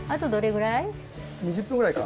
２０分ぐらいかな。